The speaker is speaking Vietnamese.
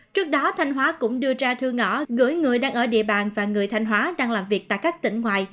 trước đó thanh hóa cũng đưa ra thư ngõ gửi người đang ở địa bàn và người thanh hóa đang làm việc tại các tỉnh ngoài